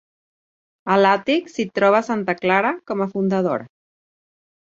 A l’àtic s’hi troba Santa Clara, com a fundadora.